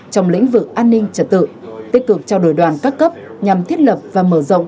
trong lĩnh vực an ninh trật tự tích cực trao đổi đoàn các cấp nhằm thiết lập và mở rộng